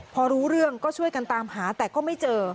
พอรู้เรื่องก็ช่วยกันตามหาแต่ก็ไม่เจอ